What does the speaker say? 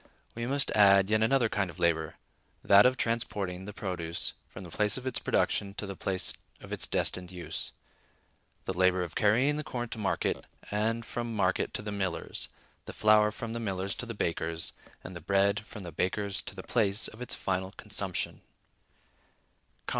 We must add yet another kind of labor; that of transporting the produce from the place of its production to the place of its destined use: the labor of carrying the corn to market, and from market to the miller's, the flour from the miller's to the baker's, and the bread from the baker's to the place of its final consumption.